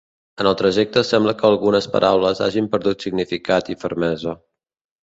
En el trajecte sembla que algunes paraules hagin perdut significat i fermesa.